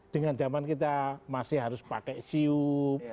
dengan zaman kita masih harus pakai siup